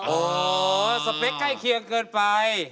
โอ้โหสเปคใกล้เคียงเกินไป